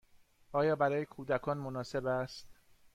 آیا برای کودکان مناسب است؟